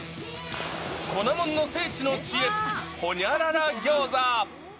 粉もんの聖地の知恵、ホニャララギョーザ。